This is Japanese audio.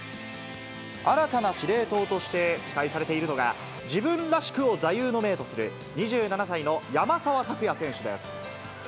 新たな司令塔として期待されているのが、自分らしくを座右の銘とする２７歳の山沢拓也選手です。